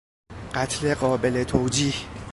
قتل قابل توجیه